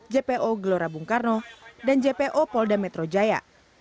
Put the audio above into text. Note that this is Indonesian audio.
jpo gelora bung karno dan jpo polda metro jaya